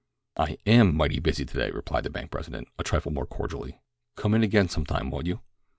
"I am mighty busy today," replied the bank president, a trifle more cordially. "Come in again some time, won't you?"